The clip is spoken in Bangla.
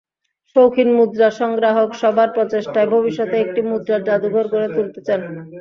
শৌখিন মুদ্রা সংগ্রাহক সবার প্রচেষ্টায় ভবিষ্যতে একটি মুদ্রার জাদুঘর গড়ে তুলতে চান।